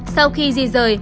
sau khi di rời